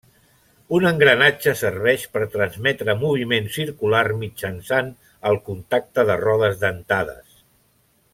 Un engranatge serveix per transmetre moviment circular mitjançant el contacte de rodes dentades.